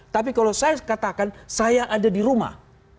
tapi kalau saya katakan saya ada di rumah